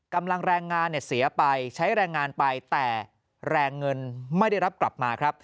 กำลังแรงงานเสียไปใช้แรงงานไปแต่แรงเงินไม่ได้รับกลับมา